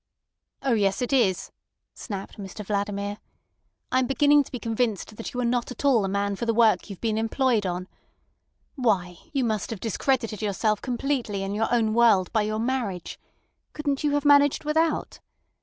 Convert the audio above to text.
"Oh yes, it is," snapped Mr Vladimir. "I am beginning to be convinced that you are not at all the man for the work you've been employed on. Why, you must have discredited yourself completely in your own world by your marriage. Couldn't you have managed without?